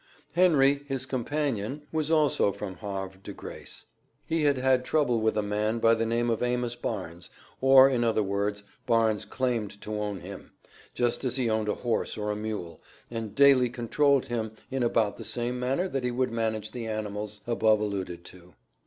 Henry, his companion, was also from Havre De Grace. He had had trouble with a man by the name of Amos Barnes, or in other words Barnes claimed to own him, just as he owned a horse or a mule, and daily controlled him in about the same manner that he would manage the animals above alluded to.